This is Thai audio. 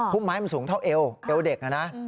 พุมไม้มันสูงเท่าเอวเด็ก